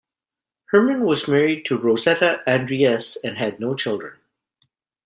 Herman was married to Rosetta Andriesse and had no children.